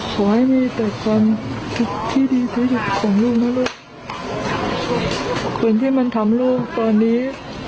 ขอให้มีแต่ความคิดที่ดีที่สุดของลูกนะลูกคนที่มันทำลูกตอนนี้